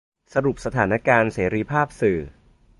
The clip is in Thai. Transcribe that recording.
สรุปสถานการณ์เสรีภาพสื่อ